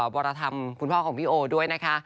วรธรรมคุณพ่อของพี่โอด้วยนะคะ